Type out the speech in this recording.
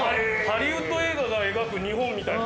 ハリウッド映画が描く日本みたい。